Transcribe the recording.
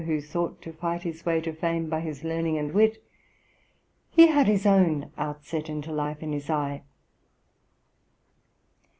75), who thought to fight his way to fame by his learning and wit, 'he had his own outset into life in his eye.'